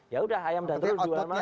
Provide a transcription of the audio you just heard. ya udah ayam dan telur